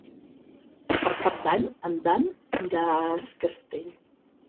Per Cap d'Any en Dan irà a Es Castell.